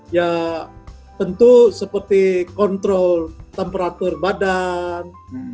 ya tentu seperti kontrol temperatur badan